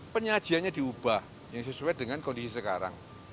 penyajiannya diubah yang sesuai dengan kondisi sekarang